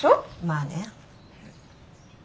まあね。